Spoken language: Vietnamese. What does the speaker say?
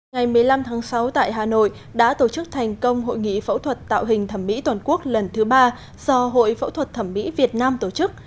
ngày một mươi năm tháng sáu tại hà nội đã tổ chức thành công hội nghị phẫu thuật tạo hình thẩm mỹ toàn quốc lần thứ ba do hội phẫu thuật thẩm mỹ việt nam tổ chức